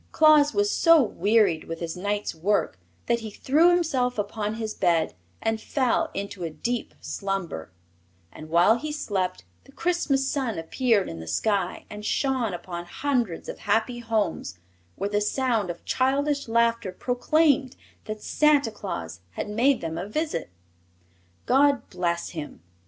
Claus was so wearied with his night's work that he threw himself upon his bed and fell into a deep slumber, and while he slept the Christmas sun appeared in the sky and shone upon hundreds of happy homes where the sound of childish laughter proclaimed that Santa Claus had made them a visit. God bless him!